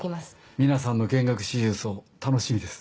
皆さんの弦楽四重奏楽しみです。